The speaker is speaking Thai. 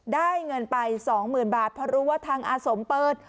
ได้เงินไป๒๐๐๐บาทเพราะรู้ว่าทางอาสมเปิด